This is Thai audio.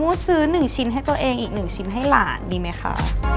มูลซื้อหนึ่งชิ้นให้ตัวเองอีกหนึ่งชิ้นให้หลานดีไหมคะ